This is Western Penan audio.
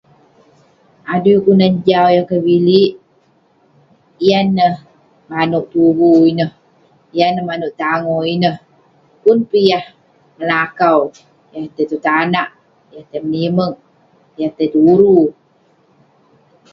Adui kelunan jau yah kevilik, yan neh manouk tuvu ineh, yan neh manouk tangoh ineh. Pun peh yah melakau, yah tai tong tanak, yah tai menimeg, yah tai tulu.